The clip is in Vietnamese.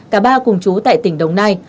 cả ba cùng chú tại tỉnh đồng nai